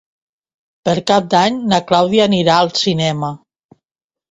Per Cap d'Any na Clàudia anirà al cinema.